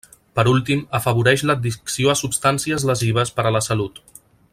Per últim, afavoreix l'addicció a substàncies lesives per a la salut.